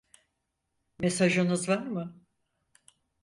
Mesajınız var mı?